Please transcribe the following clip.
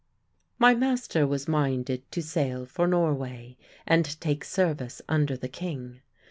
My master was minded to sail for Norway and take service under the king.